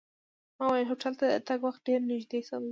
ما وویل هوټل ته د تګ وخت ډېر نږدې شوی دی.